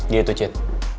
dia itu cit